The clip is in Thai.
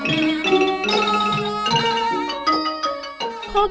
โปรดติดตามตอนต่อไป